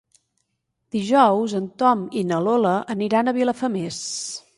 Dijous en Tom i na Lola aniran a Vilafamés.